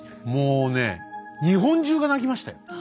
もうね日本中が泣きましたよ。